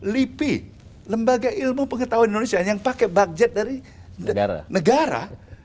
lipi lembaga ilmu pengetahuan indonesia yang pakai budget dari negara